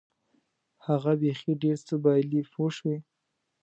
هغه بیخي ډېر څه بایلي پوه شوې!.